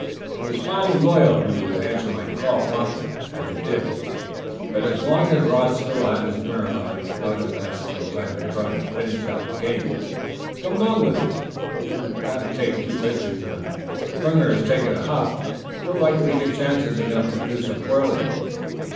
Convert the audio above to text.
"It was fine and loyal of you to answer my call promptly, as you did; but as long as Rod still had his nerve I thought it best to let him try to finish it out. Come along with us. We've got to have two pitchers, and if Springer has taken a huff you'll likely get chances enough to do some twirling."